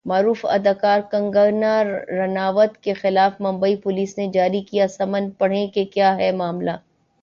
معروف اداکارہ کنگنا رناوت کے خلاف ممبئی پولیس نے جاری کیا سمن ، پڑھیں کیا ہے معاملہ